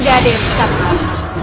tidak ada yang bisa mengawal